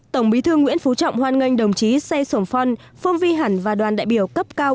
tổng bí thư nguyễn phú trọng hoan nghênh đồng chí say sổm phon phong vi hẳn và đoàn đại biểu cấp cao